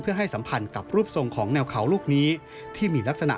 เพื่อให้สัมพันธ์กับรูปทรงของแนวเขาลูกนี้